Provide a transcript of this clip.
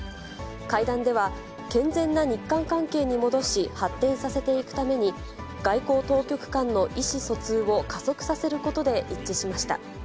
会談では、健全な日韓関係に戻し、発展させていくために、外交当局間の意思疎通を加速させることで一致しました。